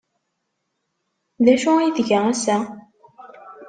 D acu ay tga ass-a?